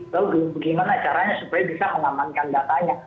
lalu bagaimana caranya supaya bisa mengamankan datanya